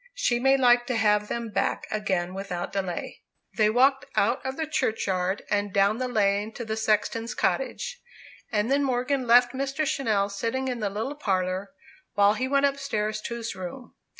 She may like to have them back again without delay." They walked out of the churchyard, and down the lane to the sexton's cottage. And then Morgan left Mr. Channell sitting in the little parlour, while he went upstairs to his room.